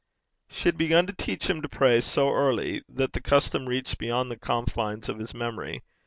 She had begun to teach him to pray so early that the custom reached beyond the confines of his memory.